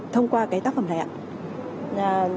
thông qua cái tác phẩm này ạ